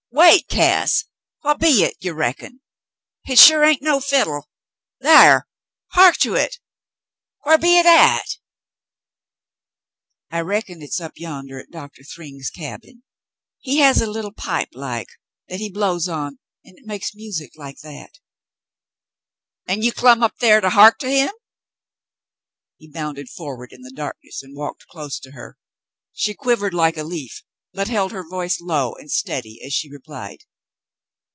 "Wait, Cass. What be hit, ye reckon.^ Hit sure hain't no fiddle. Thar! Heark to hit. Whar be hit at .'^" "I reckon it's up yonder at Doctor Thryng's cabin. He has a little pipe like, that he blows on and it makes music like that." "An' you clum' up thar to heark to him ?" He bounded forward in the darkness and walked close to her. She quivered like a leaf, but held her voice low and steady as she replied.